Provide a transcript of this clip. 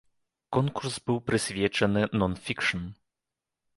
Конкурс быў прысвечаны нон-фікшн.